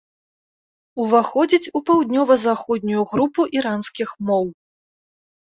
Уваходзіць у паўднёва-заходнюю групу іранскіх моў.